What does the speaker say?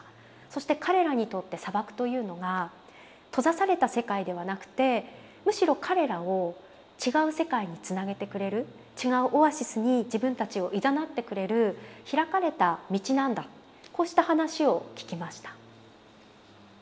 そして彼らにとって砂漠というのが閉ざされた世界ではなくてむしろ彼らを違う世界につなげてくれる違うオアシスに自分たちをいざなってくれる開かれた道なんだこうした話を聞きました。